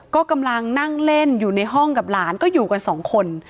ก็กำลังนั่งเล่นอยู่ในห้องกับหลานก็อยู่กันสองคน